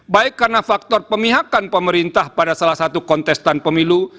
baik karena faktor pemihakan pemerintah pada salah satu kontestan pemilu